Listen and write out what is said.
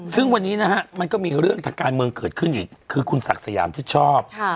ซึ่งวันนี้นะฮะมันก็มีเรื่องทางการเมืองเกิดขึ้นอีกคือคุณศักดิ์สยามชิดชอบ